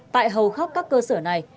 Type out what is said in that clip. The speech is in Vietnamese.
tại hầu khắp các cơ sở này